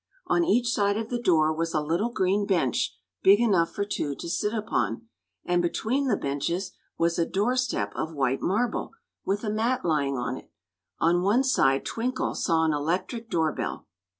On each side of the door was a little green bench, big enough for two to sit upon, and between the benches was a doorstep of white marble, with a mat lying on it. On one side Twinkle saw an electric door bell.